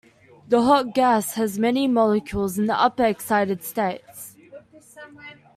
The hot gas has many molecules in the upper excited states.